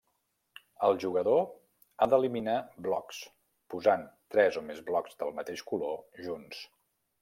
El jugador ha d'eliminar blocs posant tres o més blocs del mateix color junts.